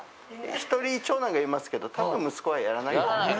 １人、長男がいますけど、多分、息子はやらないと。